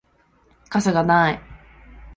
傘がない